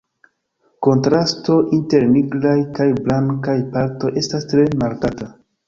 Kontrasto inter nigraj kaj blankaj partoj estas tre markata.